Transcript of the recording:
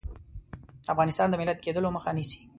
د افغانستان د ملت کېدلو مخه نیسي.